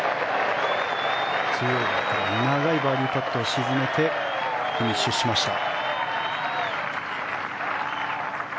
長いバーディーパットを沈めてフィニッシュしました。